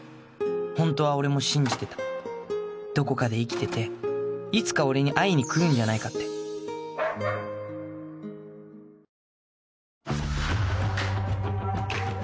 ホントは俺も信じてたどこかで生きてていつか俺に会いに来るんじゃないかってあ